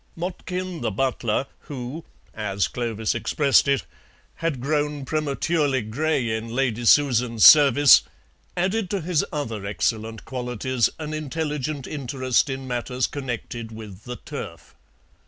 Motkin, the butler, who (as Clovis expressed it) had grown prematurely grey in Lady Susan's service, added to his other excellent qualities an intelligent interest in matters connected with the Turf.